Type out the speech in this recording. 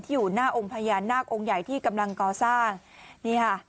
อยู่หน้าองค์พญานาคองค์ใหญ่ที่กำลังก่อสร้างนี่ค่ะ